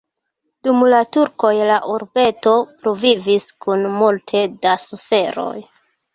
Dum la turkoj la urbeto pluvivis kun multe da suferoj.